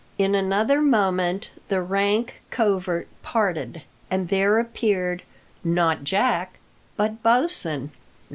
In another moment the rank covert parted, and there appeared, not Jack, but Bosin.